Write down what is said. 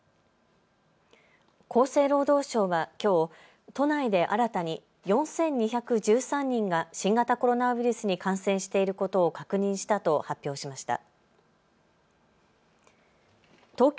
厚生労働省はきょう都内で新たに４２１３人が新型コロナウイルスに感染していることを確認したと発表しました。